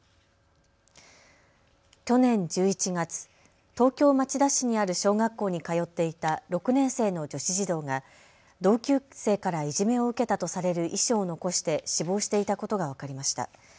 去年１１月、東京町田市にある小学校に通っていた６年生の女子児童が同級生からいじめを受けたとされる遺書を残して死亡していたことが分かりました。